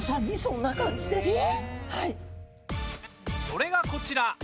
それが、こちら。